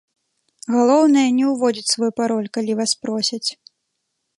Галоўнае, не ўводзіць свой пароль, калі вас просяць.